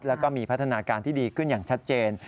แล้วก็มีพัฒนาการที่ดีขึ้นอย่างชัดเจน